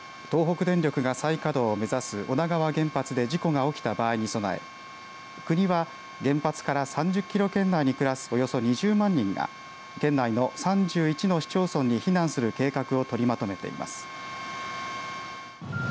東北電力が再稼働を目指す女川原発で事故が起きた場合に備え国は、原発から３０キロ圏内に暮らすおよそ２０万人が県内の３１の市町村に避難する計画を取りまとめています。